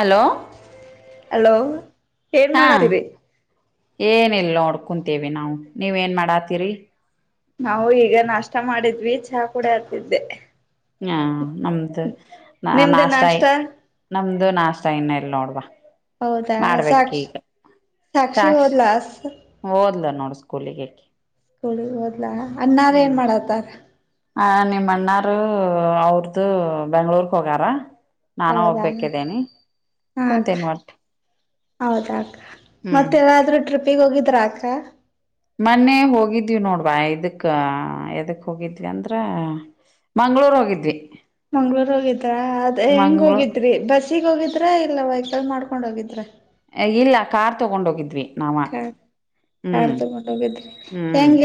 Hello- hello- ಏನ್ ಹಾ ಮಾಡತಿರಿ ಏನಿಲ್ಲ ನೋಡು ಕುಂತಿದೇವಿ. ಕುಂತಿದೇವಿ ನಾವು ನೀವ ಏನ್ ಮಾಡಾತೀರಿ. ನಾವು ಈಗ ನಾಷ್ಟ ಮಾಡಿದ್ವಿ ಚಹಾ ಕೂಡ ಆತಿದ್ದೆ. ಹಾ ನಮ್ದು ನ ನಿಮ್ದ ನಾಷ್ಟತಾಯ ನಾಷ್ಟ ನಮ್ದು ನಾಷ್ಟತ ಇನ್ನ ಎಲ್ ನೋಡ್ವಾ ಹೌದಾ ಮಾಡ್ಬೇಕ್ ಸಾಕ್ಷ ಈಗ ಸಾಕ್ಷಿ ಓದ್ಲ ನೋಡ್ಸ್. ಸ್ಕೂಲ ಗೇ ಹಕಿ. ಕೂಲಿಗೆ [unintelligible] ಇಲ್ಲ ಅನ್ನಾರ ಏನ್ ಮಾಡತಾರ. ನಿಮ್ಮಣ್ಣ ಅವರು ಅವ್ರದು ಬೆಂಗಳೂರು ಹೋಗಾರ. ನಾನಾ ಹೌದಾ ಹೋಗಬೇಕಿದೆ ಹಾ ಅಕ್ಕ ಕುೂಂತೀನ್ ವಾಟ್. ಹೌದಾ- ಮತ್ತೆ ಎಲ್ಲಾದ್ರೂ ಟ್ರಿಪ್. ನೀವು ಹೋಗಿದ್ರಾ ಅಕ್ಕ. ಮೊನ್ನೆ ಹೋಗಿದ್ವಿ ನೋಡ್ವಾ ಇದಕ್ಕ ಎದಕ್ ಹೋಗಿದ್ವಿ ಅಂದ್ರ ಮಂಗ್ಗಳೂರ್ ಹೋಗಿದ್ವಿ. ಮಂಗ್ಳೂರ್ ಹೋಗಿದ್ರ ಅದ ಹೆಂಗ ಮಂಗ್ಳೂರ್ ಹೋಗಿದ್ರಿ ಬಸ್ಸಗ್ ಹೋಗಿದ್ರ ಇಲ್ಲ ವೆಹಕಲ್ ಮಾಡ್ಕ. [unintelligible] ಹೋಗಿದ್ರೆ ಇಲ್ಲ ಕಾರ್ ತಗೊಂಡೋಗಿದ್ವಿ. ಕಾರ್ ಕಾರ್ ತಗೊಂಡ ಹೋಗಿದ್ರಿ ಹ್ಮ್ ಹೆಂಗ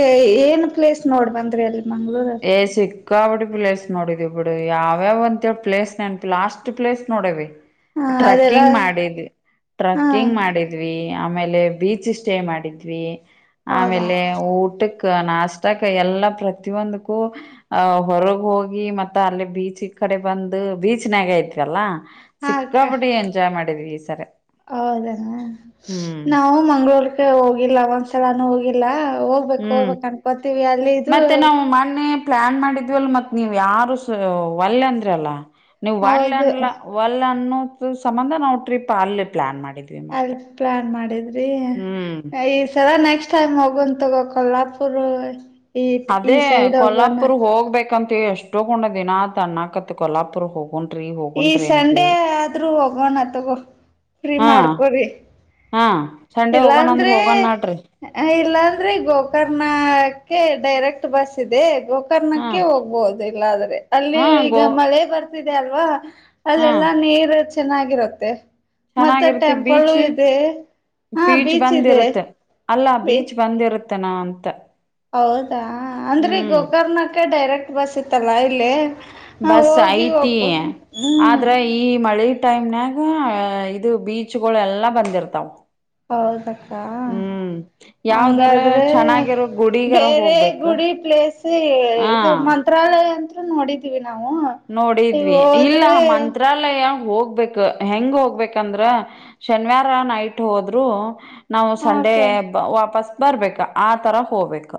ಏನ್ ಪ್ಲೇಸ್ ನೋಡ್ ಬಂದ್ರಿ ಅಲ್ಲಿ. ಮಂಗಳೂರ್ ಅಲ್ಲಿ. ಸಿಕಾಪಟ್ಟೆ ಪ್ಲೇಸ್ ನೋಡಿದವಿ ಬಿಡ್ ಯಾವ್ಯಾವಂತೇಳ ಪ್ಲೇಸ್ ನೆನ್ಪ ಇಲ್ಲ ಅಷ್ಟ್ ಪ್ಲೇಸ್ ನೋಡವಿ. ಹ ಅದೆಲ್ಲ ಟ್ರಕ್ಕಿಂಗ್ ಮಾಡಿದ್ವಿ ಹಾ ಟ್ರಕ್ಕಿಂಗ್ ಮಾಡಿದ್ವಿ. ಆಮೇಲೆ ಬೀಚ್ ಸ್ಟೇ ಮಾಡಿದ್ವಿ. ಹೌದಾ ಆಮೇಲೆ ಊಟಕೆ. ನಾಷ್ಟಕ ಎಲ್ಲಾ ಪ್ರತಿ ಒಂದು. ಆ ಹೊರಗ್ ಹೋಗಿ ಮತ್ತ ಅಲ್ಲಿ ಬೀಚ್ ಈ ಕಡೆ ಬಂದು ಬೀಚ್ನ್ಯಾಗ ಇದ್ವಿ ಅಲ್ಲ. ಸಿಕ್ಕಾಪಟ್ಟ ಎಂಜಾಯ್ ಮಾಡಿದ್ವಿ. [inaudible] ಹೌದ ಹ್ಮ್ ನಾವು ಮಂಗ್ಗಳೂರ್ಗೆ ಹೋಗಿಲ್ಲ ಒಂದ್ಸಲಾನು ಹೋಗಿಲ್ಲ. ಹೋಗ್ಬೇಕು ಹ್ಮ್ ಹೋಗ್ಬೇಕ ಅಕೋತೀವಿ ಅದು ಮತ್ತೆ ನಾವು ಮೊನ್ನೆ. ಪ್ಲಾನ್ ಮಾಡಿದ್ವಲ್ ಮತ್ ನೀವ್ ಯಾರು ವಲ್ಲ ಅಂದ್ರ ಅಲ್ಲ. ನೀವು ಒಳ್ಳೆ ಹೌದು ಅನಿಲ್ಲ ಒಳ್ಳೆ. ದು ಸಂಬಂದ ನಾವು ಟ್ರಿಪ್ ಅಲ್ಲಿ ಪ್ಲಾನ್ ಮಾಡಿ. ಅಲ್ಲಿ ಪ್ಲಾನ್ ಮಾಡಿದ್ದ. ಹ್ಮ್ ಅ ಈ ಸಲ ನೆಕ್ಸ್ಟ್. ನೆಕ್ಸ್ಟ್ ಟೈಮ್ ಹೋಗಂತೊಗೊ ಕಲಲ್ಲಾಪುರ. ಅದೇ ಕೊಲ್ಲ್ಲಾಪುರ್ ಹೋಗ್ಬೇಕಂತ ಎಷ್ಟ ಗನು ದಿನ ಅನ್ನಕ ಕೋಲಾಪುರ್ ಹೋಗಿ. ಈ ಸಂಡೆ ಆದ್ರೂ ಹೋಗೋಣ ತಗೋ ಫ್ರೀ ಹಾ ಮಾಡ್ಕೊರಿ ಹಾ ಸಂಡೆ ಹೋಗೋಣ ಅಂದ್ರ ಇಲ್ಲಾಂದ್ರೆ ಹೋಗಣ ನಡ್ರಿ ಇಲ್ಲಾಂದ್ರೆ ಗೋಕರ್ನ. ಕೆ ಡೈರೆಕ್ಟ್ ಬಸ್ ಇದೆ. ಹಾ ಗೋಕರ್ಣಕ್ಕೆ ಹೋಗ್ಬೋುದು ಇಲ್ಲಾದ್ರೆ ಅಲ್ಲಿ ಹಾ ಈಗ ಗೋ ಮಳೆ ಬರ್ತಿದೆ ಅಲ್ವಾ. ಹಾ ಅಲ್ಲೆಲ್ಲಾ ನೀರ್. ಚೆನ್ನಾಗಿರುತ್ತೆ. ಮತ್ತೆ ಚೆನ್ನಾಗಿರುತ್ತೆ ಟೆಂಪಲ್ಲ ಬೀಚ್ ಇದೆ ಹಾ ಮತ್ತೆ ಬೀಚ್ ಇದೆ. ಅಲ್ಲ ಬೀಚ್ ಬಂದ ಇರುತ್ತೆ. ತೇನೋ ಅಂತ. ಅವದ. ರಾ ಅಂದ್ರೆ ಹ್ಮ್ ಗೋಕರ್ಣಕ್ಕೆ ಡೈರೆಕ್ಟ್. ಬಸ್ ಇತ್ತಲ್ಲಾ ಇಲ್ಲಿ. ಬಸ್ ಹೋಗಿ ಐತಿ ಒಪ್ಪ ಹ್ಮ್ ಆದ್ರ ಈ ಮಳೆ. ಟೈಮ್ನಾಗ ಇದು ಬೀಚ್ಗಳು ಎಲ್ಲಾ ಬಂದಿರ್ತಾವ. ಹೌದಕ್ಕ ಹ್ಮ್ ಯಾವ್ದರ ಹಂಗಾದ್ರೆ ಚೆನ್ನಾಗಿರೋ ಗುಡಿಗಾರ ಬೇರೆ ಹೋಗ್ಬೇಕು ಗುಡಿ ಪ್ಲೇಸ್ ಹಾ ಇದು ಮಂತ್ರಾಲಯ ಅಂತ. ನೋಡಿದೀವಿ. ನಾವು ಈಗ ನೋಡಿದ್ವಿ ಇಲ್ಲ ಹೋದ್ರೆ ಮಂತ್ರಾಲಯ. ಹೋಗ್ಬೇಕ ಹೆಂಗ ಹೋಗ್ಬೇಕಂದ್ರ ಶನಿವಾರ ನೈಟ್ ಹೋದ್ರು. ನಾವು ಹಕ ಸಂಡೇ ವಾಪಸ್. ಬರ್ಬೇಕ ಆತರ ಹೋಗ್ಬೇಕ.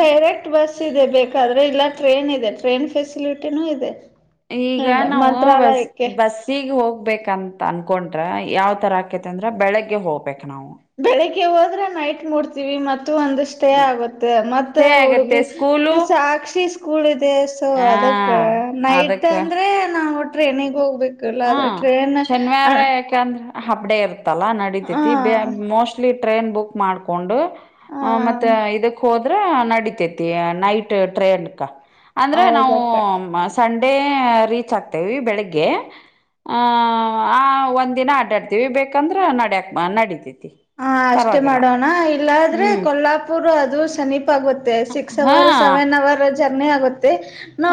ಡೈರೆಕ್ಟ್ ಬಸ್ ಇದೆ ಬೇಕಾದ್ರೆ ಇಲ್ಲ ಟ್ರೇನ್ ಇದೆ. ಟ್ರೈನ್ ಫೆಸಿಲಿಟಿನೂ ಇದೆ. ಈಗ ಇಲ್ಲ ನಾವು ಬಸ್ ಮಂತ್ರಾಲಯಕ್ಕೆ ಬಸ್ಸಗ್ ಹೋಗ್ಬೇಕಂತ ಅನ್ಕೊಂಡ್ರ ಯಾವ ತರಕತಿ. ಅಂತಂದ್ರೆ ಬೆಳಗ್ಗೆ ಹೋಗ್ಬೇಕು ನಾವು. ಬೆಳಿಗ್ಗೆ ಹೋದ್ರೆ ನೈಟ್ ಮೂಡ್ತೀವಿ ಮತ್ತ. ಒಂದ ಸ್ಟೇ ಆಗುತ್ತೆ ಮತ್ತ ಸ್ಟೇ ಆಗತ್ತೆ ಹುಡುಗ ಸ್ಕೂಲು ಸಾಕ್ಷಿ ಸ್ಕೂಲ್ ಇದೆ ಸೊ ಹ ಅದಕ್ಕ ನೈಟ್ ಅದಕ್ಕೆ ಅಂದ್ರೆ ನಾ. ಟ್ರನೆಗ್ ಹೋಗ್ಬೇಕು. ಇಲ್ಲ ಹಾ ಆದ್ರೆ ಟ್ರೈನ್ ಶನಿವಾರ ಯಾಕಂದ್ರ. ಹಾಫ್ದವು ಇರ್ತ್ತೆ. ತಲಾ ನಡೀತತಿ ಬ ಹ ಮಿಸ್ಟ್ಲಿ. ಟ್ರೈನ್ ಬುಕ್ ಮಾಡ್ಕೊಂಡು. ಹ ಮತ್ತೆ ಇದಕ್ ಹೋದ ಆದ್ರ ನಡಿತೇತಿ ನೈಟ್ ಟ್ರೇನ್ ಕ. ಅಂದ್ರೆ ನಾವು ಹೌದಕ್ಕ ಸ ಡೇ ರೀಚ್ ಆಗ್ತೇವಿ ಬೆಳಿಗ್ಗೆ. ಆಹ ಆ ಒಂದ ದಿನ ಅಡ್ಡಾಡ್ತೀವಿ ಬೇಕಂದ್ರ ನಡ್ಯಕ್ ನಡಿತ. ಹ ಅಷ್ಟೇ ಮಾಡೋಣ ಇಲ್ಲಾದ್ರೆ ಹ್ಮ್ ಕೊಲ್ಲಾಪುರ್ ಅದು ಸಮನೀಪ್ ಆಗುತ್ತೆ ಸಿಕ್ಸ್ ಹಾ ಅವರ್ ಸೆವೆನ್ ಅವರ್. ಜೋರ್ನಿ ಆಗುತ್ತೆ.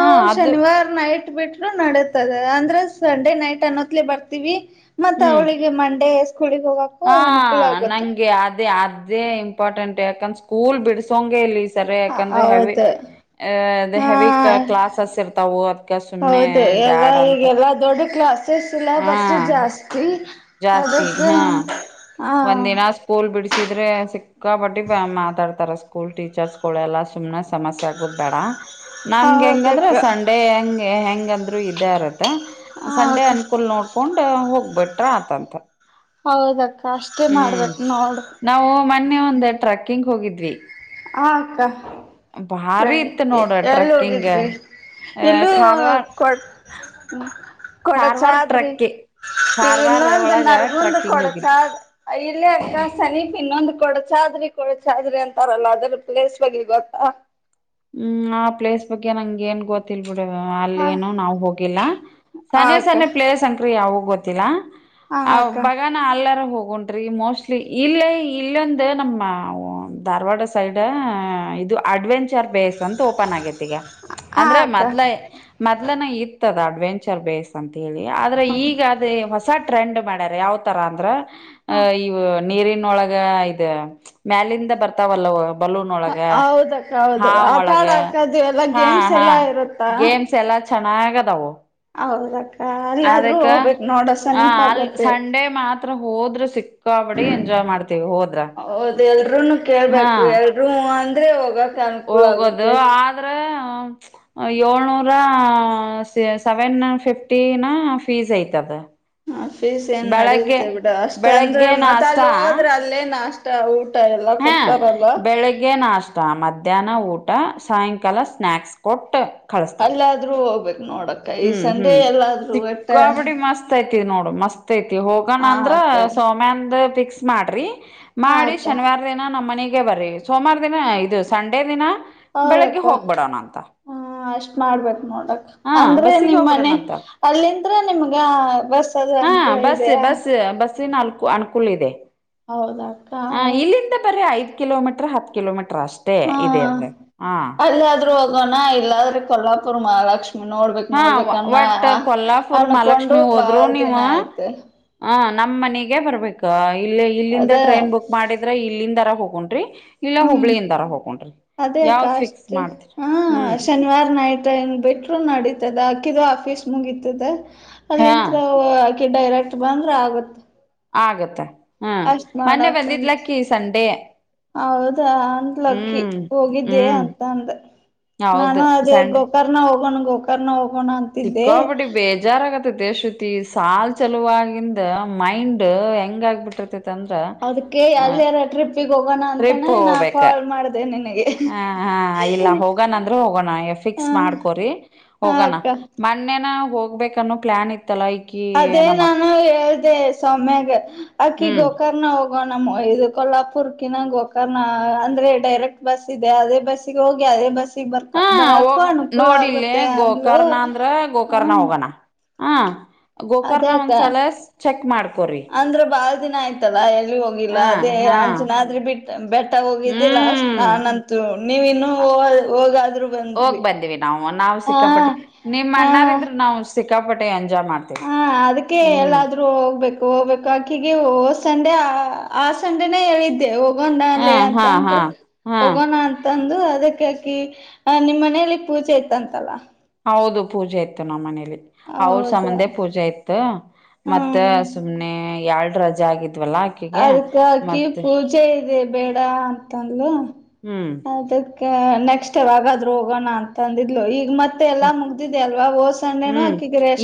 ಹಾ ಅದು ಶನಿವಾರ ನೈಟ್ ಬಿಟ್ಟ. ನಡತದೆ ಅಂದ್ರೆ ಸಂಡೆ ನೈಟ್ ಅನ್ನೋತ್ಲಿ ಬರ್ತೀವಿ. ಮತ್ತೆ ಹ್ಮ್ ಅವಳಿಗೆ ಮಂಡೆ ಸ್ಕೂಲ್ ಗೇ ಹೋಗಕು ಅನು ಹ ನಂಗೆ ಅದೇ ಆದ. ಅದೇ ಇಂಪಾರ್ಟೆಂಟ್ ಯಾಕಂದೆ ಸ್ಕೂಲ್ ಬಿಡಸೋಂಗೆ ಇಲ್ಲಿ. ಸರಿ ಯಾಕಂದ್ರೆ ಹೆವಿ ಹೌದು ಅ ಹಾ ಹೆವಿ ಕ್ಲಾಸಸ್ ಇರ್ತವು ಅದ್ಕ ಸುಮ್ಮ್ನೆ ಬ್ಯಾಡ್ ಅಂತ. ಕ್ಲಸ್. ಹಾ ಸಿಲ್ಲಬಸ್ ಜಾಸ್ತಿ. ಜಾಸ್ತಿ ಅದಕ್ಕೆ ಹಾ ಹ ಒಂದ ದಿನ ಸ್ಕೂಲ್. ಬಿಡಿಸಿದ್ರೆ ಸಿಕ್ಕಾ ಬಟ್ಟಿ ಮಾತಾಡ್ತಾರ ಸ್ಕೂಲ್ ಟೀಚರ್ಸ್ಗಳೆಲ್ಲಾ ಸುಮ್ನೆ ಸಮಸ್ಯ ಆಗುದ್ ಬೇಡ. ನಮ್ಗೆ ಹೆಂಗದ್ರೆ ಹೌದಕ್ಕ ಸಂಡೆ ಹೆಂಗ. ಹೆಂಗಂದ್ರು ಇದಾರತ್ತೆ. ಸಂಡೆ ಹ ಅನ್ಕೂಲ್ ನೋಡ್ಕೊಂಡು. ಹೋಗ್ಬಟ್ಟು. ಆತತ. ಹೌದಾ ಅಕ್ಕ. ಅಷ್ಟೆ ಮಾಡಬೇಕ್ ನೋಡು. ನಾವು ಮೊನ್ನೆ ಒಂದ ಟ್ರಕ್ಕಿಂಗ್ ಹೋಗಿದ್ವಿ. ಹ ಅಕ್ಕ. ಭಾರಿ ಇತ್ತು ನೋಡ ಎಲ್ಲಿ ಟ್ರಕ್ಕಿಂಗ್ ಹೋಗಿದ್ರೀ ಅ ಇಲ್ಲೂ ಕಾರವಾರ ಕೊ ಹ್ಮ. ಕೊಡಚ ಕಾರವಾರ ಆದ್ರಿ ಟ್ರಕ್ಕೆ ಕಾರವಾರ ಇನ್ನೊಂದ್ ಒಳಗ ನರ್ಗುಂದ ಟ್ರಕ್ಕಿಂಗ್ ಹೋಗಿದ್ದೆ ಕೊಡಚಾದ್ ಇಲ್ಲಿ ಅಷ್ಟ ಅಕ್ಕ ಸನೀಪ್ ಇನ್ನೊಂದ. ಕೊಡಚಾದ್ರಿ ಕೊಡ್ಚಾದ್ರಿ ಅಂತಾರಲ್ಲ ಅ ಅದ್ರ್ ಪ್ಲೇಸ್ ಬಗ್ಗೆ ಗೊತ್ತ. ಹ್ಮ್ ಆ ಪ್ಲೇಸ್ ಬಗ್ಗೆ ನಂಗ ಏನ್ ಗೊತ್ತಲ್. ಬಿಡ್ ಅಲ್ಲಿ ಹ ಏನು ನಾವ್ ಹೋಗಿಲ್ಲ ಸನ ಅಕ್ಕ ಸನೆ ಪ್ಲೇಸ್ ಅಂಕರಿ ಯಾವ. ಗೊತ್ತಿಲ್ಲಾ. ಹ ಆ ಅಕ್ಕ ಬಗಾನ ಅಲ್ಲಾರ ಹೋಗ. ಒತ್ರಿ ಮೋಸ್ಟ್ಲಿ ಇಲ್ಲೇ ಇಲ್ಲೊಂದ ನಮ್ಮ ಧಾರವಾಡ ಸೈಡ್ ಇದು ಅಡ್ವೆಂಚರ್. ಪ್ಲೇಸ್ ಅಂತ ಓಪನ್ ಆಗೇತಿ ಈಗ ಹ ಅಂದ್ರೆ ಅಕ್ಕ ಮೊದ್ಲ ಮೊದ್ನ ಇತ್ತತದ. ಅಡ್ವೆಂಚರ್ ಬೇಸ್ ಅಂತ್ ಹೇಳಿ ಆದ್ರೆ ಈಗ್ ಅದೇ ಹೊಸ ಟ್ರೆಂಡ್ ಮಾಡ್ಯಾರ್ ಯಾವ್ ತರ ಅಂದ್ರ ಅ ಹ ಇವು ನೀರಿನೊಳಗ್ ಇ ಮ್ಯಾಲಿಂದ್ ಬರ್ತಾವಲ್ಲವ್ ಹೌದಕ್ಕ ಹೌದ್ ದು ಆಟ ಒಳಗ ಆಡಾಕದು ಎಲ್ಲ ಗೇಮ್ಸ್ ಎಲ್ಲಾ ಇರುತ್ತಾ. ಚೆನ್ನಾಗ್ದಾವೋ ಹೌದ ಅದಕ್ಕ ಹ ಅಲ್ ಆಗುತ್ತೆ ಸಂಡೆ ಮಾತ್ರ ಹೋದ್ರ ಸಿಕ್ಕಬಡಿ ಎಂಜಾಯ್ ಮಾಡ್ತೀವಿ ಹೋದ್ರ ಹೌದ ಹಾ ಗ [unintelligible] ಹೋಗೋದು ಆದ್ರೆ ಏಳ್ನೂರ ಸೆವೆನ್ ಫಿಫ್ಟಿನ ಫೀಸ್ ಐತದ್ ಫೀಸ್ ಏನ್ ನಡೆಯುತ್ತೆ ಬಿಡ ಅಷ್ಟ ಅಂದ್ರೆ ಬೆಳಗ್ಗೆ ಮತ್ತ್ ನಾಷ್ಟ ಅಲ್ಲಿ ಹೋದ್ರೆ ಅಲ್ಲೇನ ಅಷ್ಟ್ ವುಟ್ ಊ ಎಲ್ಲಾ ಹಾ ಕೊಡ್ತಾರಲ್ಲ ಬೆಳಿಗ್ಗೆ ನಾಷ್ಟ ಮಧ್ಯಾಹ್ನ ಊಟ ಸಾಯಂಕಾಲ ಸ್ನಾಯಕ್ಸ್ ಕೊಟ್ ಅಲ್ಲಾದ್ರೂ ಹೋಗ್ಬೇಕ್ ನೋಡಕ್ಕ್ ಈ ಹ್ಮ್ ಸಂಡೇ ಹ್ಮ್ ಎಲ್ಲಾದ್ ಒಟ್ಟ್ ಮಸ್ [unintelligible] ಹೋಗೋಣ ಅಂದ್ರ ಸೌಮ್ಯಂದ್ ಫಿಕ್ಸ್ ಮಾಡ್ರರಿ ಹಾ ಮಾಡಿ ಅಕ್ಕ ಶನಿವಾರ್ ದಿನ ನಮ್ಮ್ ಮನೆಗೆ ಬರ್ರಿ ಸೋಮವಾರ ದಿನ ಇದು ಸಂಡೆ ದಿನ ಬೆಳಿಗ್ಗೆ ಹೌದಕ್ಕ ಹೋಗ್ಬಿಡೋಣ ಅಂತ ಹ ಅಷ್ಟ್ ಮಾಡ್ಬೇಕಕ್ ನೋಡಕ್ ಹಾ ಅಂದ್ರೆ ಬಸ್ಸಿಗೆ ನಿಮ್ ಮನೆ ಹೋಗ್ಬಿಡೋಣ ಅಂತ ಅಲ್ಲಿಂದ್ರೆ ನಿಮ್ಗ ಬಸ್ ಅದು ಅನುಕೂಲ ಇದೆಯಾ ನಾಲ್ಕು ಅನುಕೂಲ ಇದೆ ಹೌದಕ್ಕ ಹ ಇಲ್ಲಿಂದ ಬರ್ರ ಆಯ್ತ್ ಕಿಲೋಮೀರ್ ಹತ್ತ್ ಕಿಲೋಮೀಟರ್ ಅಷ್ಟೇ ಇದೇ ಅ ಹಾ ಹೋಗೋಣ್ ಇಲ್ಲಾದ್ರೆ ಕೊಲ್ಲಾಪುರ ಮಹಾಲಕ್ಷ್ಮಿ ನೋಡ್ಬೇಕ್ ಹಾ ನೋಡ್ಬೇಕನ್ನ್ ಒಟ್ ಕೊಲ್ಲಾಪುರ್ ಅನ್ಕೊಂಡು ಮಹಾಲಕ್ಷ್ಮಿ ಬಾಳ್ ದಿನ ಆಯ್ತ್ ನಮ್ಮ್ ಮನಗೆ ಬರ್ಬೇಕು ಇಲ್ಲಿ ಅದ ಇಲ್ಲಿಂದ್ ಟ್ರೈನ್ ಬುಕ್ ಮಾಡಿದ್ರೆ ಇಲ್ಲಿಂದರ ಹೋಗು ಡ್ರಿ ಹ್ಮ್ ಅದೇಕ್ಕ ಯಾವ್ದ್ ಫಿಕ್ಸ್ ಅಷ್ಟೆ ಮಾಡ್ತೀರಿ ಹಾ ಹ್ಮ್ ಶನಿವಾರ ನೈಟ್ ಗ ಬಿಟ್ರು ನಡೀತದ ಅಕಿದು ಆಫೀಸ್ ಮುಗಿತದ. ಹಾ ಅಲ್ಲಿಂತ್ರ ಅಕಿ ಡೈರೆಕ್ಟ್ ಬಂದ್ರ ಆಗುತ್ತೆ ಆಗತ್ತೆ. ಅಷ್ಟ್ ಮಾಡಕಂತ. ಹೌದ ಅಂದ್ಲು ಅಕಿ ಹ್ಮ್ ಹೋಗಿದ್ದೆ ಹ್ಮ್ ಅಂತ ಅಂದ, ನಾನು ಹೌದು ಅದೇ ಸಂಡೆ ಗೋಕರ್ನ ಹೋಗೋಣ ಗೋಕರ್ಣ ಹೋಗ ಸಿಕ್ಕಾಪಟ್ಟಿ ಬೇಜಾರಾಗತ್ತ ತ್ರಿ ಶ್ರುತಿ ಸಾಲ್ ಚಾಲುವಾಗಿಂದ ಮೈಂಡ್ ಹೆಂಗ ಆಗ್ಬಿಟ್ಟತೈ ಅದಕ್ಕೆ ಎಲ್ಲರ ಟ್ರಿಪ್ ಟ್ರಿಪ್ ಹೋಗ್ಬೇಕ, ನಿನಗೆ ಹ ಹ ಇಲ್ಲ ಹೋಗೋಣ ಅಂದ್ರೆ ಹೋಗೋಣ ಹ ಫಿಕ್ಸ್ ಮಾಡ್ಕೋರಿ ಹ ಹೋಗಣ ಅಕ್ಕ ಮನ್ನೆನ ಹೋಗ್ಬೇಕನ್ನೋ ಪ್ಲಾನ್ ಇತ್ ಅದೇ ನಾನು ಹೇಳ್ ಹೇಳ್ದೆ ಸೌಮ್ಯಗೆ ಅಕೀ ಹ್ಮ್ ಗೋಕರ್ಣೋಗ. ಹೋಗ ನಮ್ ವ ಇದ್ ಕೊಲ್ಲಾಪುರ್ ಕಿನ ಗೋಕರ್ಣ ಅಂದ್ರೆ ಡೈರೆಕ್ಟ್ ಬಸ್ ಇದೆ ಅದೇ ಬಸ್ಸಿಗೆ ಹೋಗಿ ಅದೇ ಬಸ್. ತ್ತಿಗ ಬರ್ಕಾ ಹಾ ಬರಾಕು ಹೋಗ ಅನುಕೂಲಾ ನೋಡಿಲ್ಲಿ ಆಗುತ್ತೆ ಅಂದ್ಲೂ ಗೋಕರ್ಣ ಹ. ಆಹ್ಹಾ. ಗೋಕರ್ನ ಒಂದ್ಸಲಸ್ ಚೆಕ್ ಮಾಡ್ಕೊರಿ. ತ್ತಲ್ಲಾ ಎಲ್. ನೀ ಹೋಗಿಲ್ಲಾ ಅದೇ ಅಂಚನಾದ್ರಿ ಬಿಟ್ಟ ಬೆಟ್ಟ ಹೋಗಿದ್ದೆ ಲಾಸ್ಟ ಹ್ಮ್ ನಾನಂತೂ ನೀವಿ ಇನ್ನು ಹೋವಾದ್ ಹೋಗಾದ್ರು ಹೋಗ್ ಬಂದ್ವಿ ಬಂದಿವಿ ನಾವು ನಾವು ಹಾ ಹಾ. ಸಿಕ್ಕಾಪಟ್ಟೆೆಯನ್. ಹಾ ಅದಕ್ಕೆ ಎಲ್ಲಾದ್ರೂ ಹೋಗ್ಬೇಕು ಹೋಗ್ಬೇಕು ಆಕಿಗೆ ಹೊದ ಸನ್. ದ್ಯಾ ಆ ಸಂಡೆನೇ ಹೇಳಿದ್ದೆ ಹೋಗ್. ಹಾ ವನ್ನಾಲೇ ಹಾ ಹಾ ಅಂತಂದು ಹಾ ಹೋಗೋನಾ ಅಂತಂದ. ಅಂದು ಅದಕ್ಕೆ ಅಕಿ ಅ ನಿಮ್ಮ್ ಮನೆಯಲ್ಲಿ ಪೂಜೆ ಇತ್ತಂತಲ್ಲಾ. ಹೌದು ಪೂಜೆ ಇತ್ತು ನಮ್ಮ ಮನೇ. ದ್ವೇ ಅವುಳ ಹೌದಾ ಸಬಂಧೆ ಪೂಜೆ ಇತ್ತು ಮತ್ತ ಹ್ಮ್ ಸುಮ್ನೆ ಯ್ಯಾಡ್. ರಜಾ ಆಗಿದ್. ಅದಕ್ಕ ಅಕಿವ ಪೂಜೆ ಇದೆಬ. ಬೇಡಾ ಅಂತಂದ್ಲು. ಹ್ಮ್ ಅದಕ್. ಕ್ಕೆ ನೆಕ್ಸ್ಟ್ ಯಾವಾಗಾದ್ರು ಹೋಗೋನಾ ಅಂತಿದ್ಲು ಈಗ ಮತ್. ತ್ತೇ ಎಲ್ಲಾ ಮುಗ್ದಿದೆ ಅಲ್ವಾ ಓಸ್. ಹ್ಮ್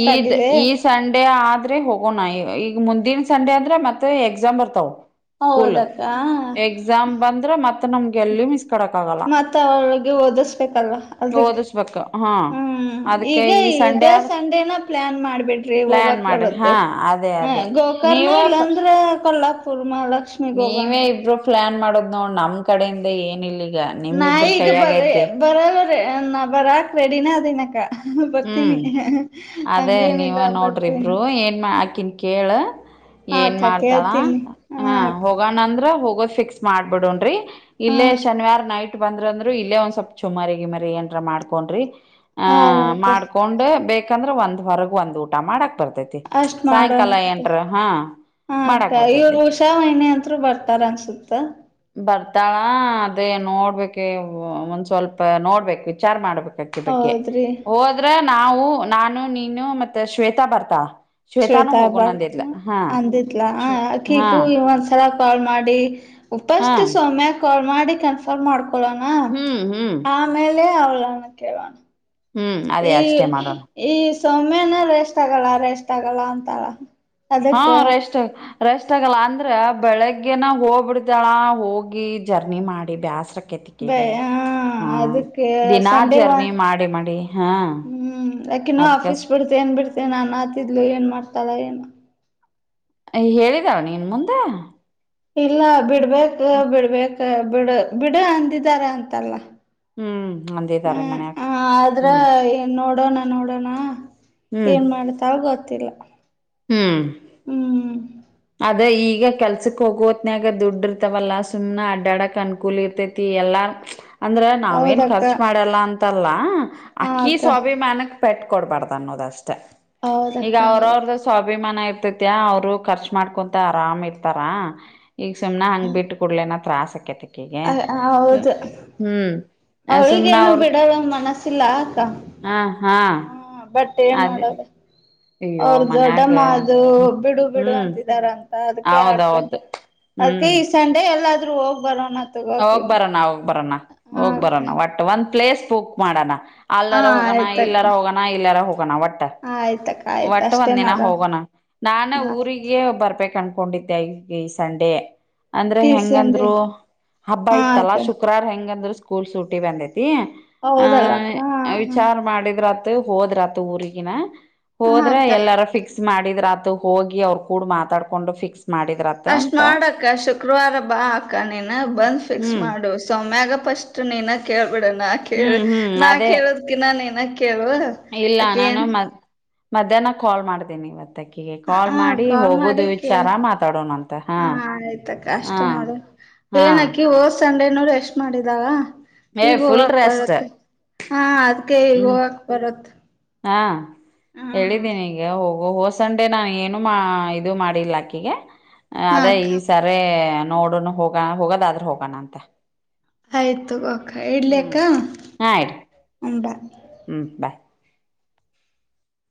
ಈದ್ ಈ ಸಂಡೆ ಆದ್ರೆ ಹೋಗೋಣ ಈಗ. ದಿನನ್ ಸಂಡೆ ಅಂದ್ರೆ ಮತ್ತ್ ಎಕ್ಸಾಮ್ ಬರ್ತಾವ್ ಸ್ಕೂಲ್ ಹೌದಕ್ಕ ಎಕ್ಸಾಮ್ ಬಂದ್ರೆ ಮತ್ತ್ ಮತ್ತ್ ಅವಳಿಗೆ ಓದಿಸ್ಬೇಕಲ್ವಾ ಅದಕ್ಕೆ ಓದಿಸ್ಬೇಕ ಹಾ ಹ್ಮ್ ಅದಕ್ಕೆ ಈಗ ಈ ಸಂಡೆ ಇದೇ ಆದ್ರ ಸಂಡೇನ ಪ್ಲಾನ್ ಮಾಡ್ಬಿಟ್ರಿ ಪ್ಲಾನ್ ಹೋಗಕ್ ಮಾಡಿ ಬರತ್ತೆ ಹಾ ಅದೇ ಹ ಅದೇ ಗೋಕರ್ನ ನೀವ ಇಲ್ಲಾಂದ್ರೆ ಕೊಲ್ಲ ನೀವೇ ಇಬ್ರು ಪ್ಲಾನ್ ಮಾಡೋದ್ ನೋ ನಮ್ ಕಡೆಯಿಂದ್ ಏನ್ ಇಲ್ಲಿ ನಾ ಈಗ್ ಬರೀ ಬರ್ ಬರ ಬರ ರೆಡಿನ ಕ್ಕ ಹ್ಮ್ ಅದೇ ನೀವ ಹಂಗೇನಿಲ್ಲ ನೋಡ್ರಿಬರು ಬರ್ತೀನಿ ಏನ್ ಆಾಕನ್ ಕೇಳ ಹಾ ಏನ್ ಅಕ್ಕ ಮಾಡ್ತಾಳ ಕೇಳ್ತೀನಿ ಹಾ ಹ ಅಕ್ಕ ಹೋಗಣಂದ್ರ ಹೋಗ ಹೋಗ್ ಫಿಕ್ಸ್ ಮಾಡಬಿಡೋಣನ್ರಿ ಹಾ ಇಲ್ಲೇ ಶನಿವಾರ್ ನೈಟ್ ಇ ಬಂದ್ರ ಅಂದ್ರ ಇ ಒಂದ್ ಸ್ವಪ್ ಚುಮಾರಿ ಗಿಮರಿ ಏನ್ರ ಮಾಡ್ಕೊಂಡ್ರಿ ಆ ಹಾ ಮಾಡ್ಕೊಂಡ್ ಬೇಕ್ ಯಾಕಂದ್ರೆ ಒಂದ್ರಗ್ ಒಂದ್ ಊಟ ಮಾಡಕ್ ಬತ್ತೆ ಅಷ್ಟ್ ಮಾಡೋಣಂತೆ ಹಕ್ಕ್ ಮಾಡಾಕ್ ಇವ್ರು ಬರ್ತೈತಿ ಹುಷಾ ಮನೆ ಅ ಬರ್ತಾರೆ ಅನ್ಸುತ್ತೆ. ಬರ್ತಾಳಾ ಅದೇ ನೋಡ್ಬೇಕು ಒಂದ್ ಸ್ವಲ್ಪ ನೋಡ್ಬೇಕು ವಿಚಾರ ಮಾಡ್ಬೇಕು ಕ್ಕೆ ಬಕ್ಕೆ ಹೌದ್ರಿ ಹೋದ್ರ ನಾವು ನಾನು ನೀನು ಮತ್ತ್ ಶ್ವೇತಾ ಬರ್ತಾ ಶ್ವೇತಾ ಹಬ್ಬರ್ತ್ ಅಂದಿತ್ಲಾ ಶ್ವೇ ಹಾ ಅಕ್ಕಿಗೂ ಇವ್ ಒಂದ್ಸಲ ಕಾಲ್ ಮಾಡಿ, ಹಾ ಉಪಸ್ಥ ಸೌಮ್ಯ ಕಾಲ್ ಮಾಡಿ ಮಾಡಿ ಕ್ಯಾನ್ಫೋರ್ಮ ಮಾಡಿ, ಎಲೋನ. ಹ್ಮ್ ಹ್ಮ್ ಆಮೇಲೆ ಅವಳ, ಪ್ರಾಣಕ್ಕೆ ಗಡ್, ಹ್ಮ್ ಅದೇ ಈ, ಅಷ್ಟೇ ಮಾಡೋಣ ಈ, ಚೂಮನೇನಾ ರೆಸ್ಟ್ ತೊಗಲ್ ರೆಸ್ಟ್ ತೊಹೋಳ ಅಂತಾಳ ಹಾ ಅದಕ್ಕ ರೆಷ್ಟ. ರೆಸ್ಟ್ ಆಗಲ್ಲ ಅಂದ್ರೆ ಬೆಳಗ್ಗೆನ ಹೋಗ್ಬಿಡ್ತಾಳ ಹೋಗಿ ಜರ್ನಿ ಮಾಡಿ ಬ್ಯಾಸ್ರ, ಬ ಹ ಅದಕ್ಕೆ ದಿನಾ ಸಂಡೇವಾ ಜರ್ನಿ ಮಾಡಿ ಮಾಡಿ ಹಾ ಹ್ಮ್ ಅಕಿನನ್ನು ಅದ್ಕ ಆಫೀಸ್ ಬಿಡ್ತ ಏನ್ ಬಿಡ್ತ, ಮತ್ತೆ ನಾನ್ ಆತಿದ್ಲು ಏನ್ ಮಾಡ್ತಾರ ಏನು? ಹೇಳಿದಾವ ನೀನ್ ಮುಂದ. ಇಲ್ಲ ಬಿಡ್, ಬಿಟ್ರೆ ಬಿಡ್ಬೇಕು. ಕ ಬಿಡು ಬಿಡು ಅಂದಿದಾರ ಅಂತಲ್ಲ? ಹ್ಮ್ ಅಂದಾರೆ ಹ್ಮ್ ಮ್ಯಾನಿಗ, ನೋಡಣ, ಏನ್ ಮಾಡತಲ್ ಗೊತ್ತಿಲ್ಲ. ಹ್ಮ್. ಹ್ಮ್ ಅದ ಈಗ ಕೆಲ್ಸಕ್ ಹೋಗೋತ್ನಾಗ ದುಡ್ ಇರ್ತವಲ್ಲಾ ಸುಮ್ ಅಡ್ಡಾಡಕ್ ಅನ್ಕೂಲ್ ಇರ್ತೈತಿ. ಎಲ್ಲಾ, ಅಂದ್ರ ನಾವೇಏನ್ ಹೌದಕ್ಕ ಖರ್ಚ ಮಾಡಲ್ಲ, ಅಂತ, ತರ್ಲಾ. ಹ ಆಕ್ಕಿ ಅಕ್ಕ ಸ್ವಾಭಿಮಾನಕ್ ಪೇಟ್ಟ, ಕೊಡ್ಬಾರ್ದ ಅನ್ನದಷ್ಟು. ಈಗ ಹೌದಕ್ಕ ಅವ್ರವ್ರ್ದ ಸ್ವಾಭಿಮಾನ ಇರ್ತಾ. ತ್ಯಾಅವರು ಖರ್ಚು. ಮಾಡ್ಕೊಂತ ಆರಾಮ್ ಇರ್ತಾರಾ, ಈಗ ಸುಮ್ನೆ ಹಂಗ್ ಬಿಟ್ಟು ಕೊಡ್ಲೇನ? ಟ್ರಾಸ್ ಆಕ್ಯತೆ. ಆಕೆಗ್ಯ ಸುಮ್ ಹ್ಮ್. ಸುಮ್ನ ಅವಳಿಗೇಏನು ಅವ್ರ ಬಿಡ ಮನಸಿಲ್ಲ ಆಕ್ಕ ಹ ಹಾ ಹ್ಮ. ಮತ್ತೆ ಏನ್ ಅದೇ ಮಾಡೋದು. ಅಯ್ಯೋ ಅವ್ರ ಮನ್ಯಾಗ ದೊಡ್ಡಮ್ಮ ಅದು ಬಿಡು ಬಿಡು ಹ್ಮ್ ಅಂತಿದಾರ. ಅಂತ ಅದಕ್ಕೆ ಆ್ರ ಹೌದೌದು ಅದಕ್ಕೆ ಹ್ಮ್ ಈ ಸಂಡೆ ಎಲ್ಲ. ೋಗ ಬರೋಣ. ತಗೋಕಿ ಹೋಗ್ ಬರಣ ಹೋಗ್ ಬರೋಣ ಹ ಹೋಗ್ ಬರ ಅಕ್ಕ ಒಟ್ಟ ಒಂ ಪ್ಲೇಸ್ ಬುಕ್ ಮಾಡನ. ಹ ಅಲ್ಲಾರ ಹೋಗನ ಆಯ್ತಕ್ಕ ಇಲ್ಲರ ಹೋಗನ ಇಲ್ಲಾರ ಹೋಗನ ಒಟ್ಟ ಆಯ್ತಕ್ಕ ಆಯ್ತ ಒಟ್ಟ ಅಷ್ಟೇ ಒಂದ ದಿನ ಮಾಡೋಣ ಹೋಗೋಣ ನಾನ ಆಯ್ತು ಊರಿಗೆ ಬರ್ಬೇಕಂ ಕೊಂಡಿದ್ದೆ ಈ ಸಂಡೆ. ಅಂದ್ರೆ ಈ ಸಂಡೆ ಹೆಂಗಂದ್ರು. ಹಬ್ಬ ಹಾ ಇತಲ್ಲ ಅಕ್ಕ ಶುಕ್ರಾರ ಹೆಂ ಹೆಂಗ ಅಂದ್ರ ಸ್ಕೂಲ್ ಸೂಟಿ ಬಂದಿತ್ತು. ಹೌದಲ್ಲ ಅಕ್ಕ [unintelligible] ಆ ವಿಚಾರ ಮಾಡಿದ್ರಾ ಹೋದ್ರತು ಊರಿಗಿನ. ಹಾ ಹೋದ್ರ ಅಕ್ಕ ಎಲ್ಲಾರ ಫಿಕ್ಸ್. ಮಾಡಿದ್ರ ಆತು ಹೋಗಿ ಅವ್ರು ಕೂಡ ಮಾತಾಡ್ಕೊಂಡು ಫಿಕ್ಸ್. ಮಾಡಿದ್ರತ್ ಅಷ್ಟ್ ಅಂತ ಮಾಡಕ್ಕ ಶುಕ್ರವಾರ ಬಾ ಅಕ್ಕ ನೀನು. ಬಂದ್ ಫಿಕ್ಸ್ ಹ್ಮ್ ಮಾಡು ಸೌಮ್ಯಾಗ. ಫಸ್ಟ್ ನೀನ ಕೇಳು. ಬಿಡ ನಾ ಕೇಳ್ ಹ್ಮ್ ಹ್ಮ್ ನಾನ್ ಅದೇ ಕೇಳ್ದಕ್ಕಿನ ನೀನೆ ಇಲ್ಲ ನಾನು [unintelligible] ಮ ಮಧ್ಯಾಹ್ನ ಕಾಲ್ ಮಾಡತೀನಿ ಇವತ್ತ. ಆಕಿಗೆ ಕಾಲ್ ಹ ಮಾಡಿ ಕಾಲ್ ಹೋಗುದು ಮಾಡಿ ಕೇಳ ವಿಚಾರ ಮಾತಾಡೋಣ ಅಂತ ಹಾ ಆಯ್ತಕ್ಕ ಹ ಅಷ್ಟ ಹಾ. ನೋಡು ಎಷ್ಟು ಮಾಡಿದಾವ. ಏ ಈಗ ಫುಲ್ ಹೋಗಕ್ ರೆಸ್ಟ್ ಬರುತ್ತೆ ಹಾ ಅದ್ಕೆ ಈಗ ಹ್ಮ್ ಹೋಗಕ್ ಬರುತ್. ಹಾ ಹೇಳಿದ್ದೀನಿ ಈಗ. ಹ ಹೋಸಂಡೆ ನಾ ಏನು ಮಾ ಇದು ಮಾಡಿಲ್ಲ ಅಕ್ಕಿಗೆ. ಏ ಅದೇ ಹಾಕ್ ಈ ಸರಿ. ನೋಡೊಣು ಹೋಗ ಹೋಗದಾದ್ರೂ ಹೋಗೋಣ ಅಂತ ಆಯ್ತು ಅಕ್ಕ ಇಡ್ಲಿ ಅಕ್ಕ ಹ್ಮ್ ಹಾ ಇಡಿ ಹಂಡಾ. ಹ್ಮ್ ಬಾಯ್